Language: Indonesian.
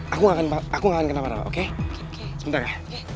aku gak akan kena warna warna